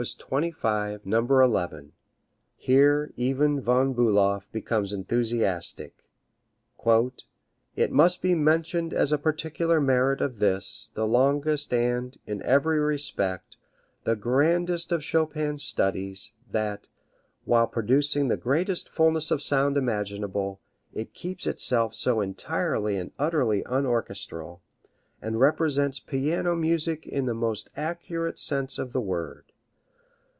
25, No. 11. Here even Von Bulow becomes enthusiastic: "It must be mentioned as a particular merit of this, the longest and, in every respect, the grandest of Chopin's studies, that, while producing the greatest fulness of sound imaginable, it keeps itself so entirely and utterly unorchestral, and represents piano music in the most accurate sense of the word.